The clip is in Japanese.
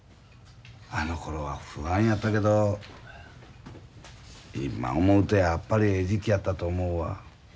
あのころは不安やったけど今思うとやっぱりええ時期やったと思うわ。